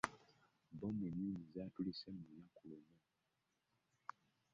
Bbomu nnnnyingi zatulise mu lunnaku lumu.